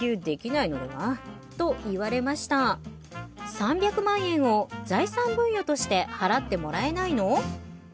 ３００万円を財産分与として払ってもらえないの？